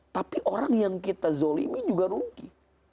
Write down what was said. tapi orang yang kita zolimi juga rugi